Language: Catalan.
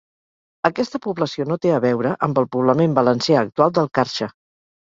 Aquesta població no té a veure amb el poblament valencià actual del Carxe.